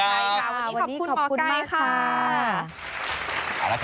วันนี้ขอบคุณหมอไก่ค่ะ